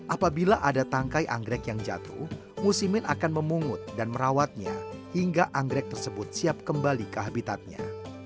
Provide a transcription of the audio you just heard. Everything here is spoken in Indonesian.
apabila ada tangkai anggrek yang jatuh musimin akan memungut dan merawatnya hingga anggrek tersebut siap kembali ke habitatnya